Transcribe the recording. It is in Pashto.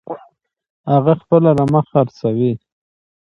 هغه خپله رمه خرڅوي.